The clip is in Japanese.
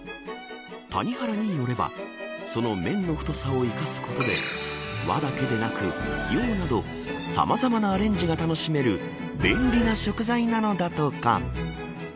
谷原によればその麺の太さを生かすことで和だけでなく、洋などさまざまなアレンジが楽しめる便利な食材なのだとか。